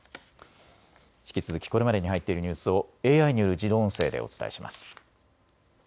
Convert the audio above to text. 引き続きこれまでに入っているニュースをＡＩによる自動音声でお伝えします。